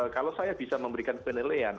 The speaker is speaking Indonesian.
kalau saya bisa memberikan penilaian